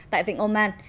tại vịnh oman